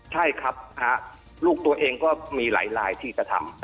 ใช่ครับลูกตัวเองก็มีหลายลายที่กระทำ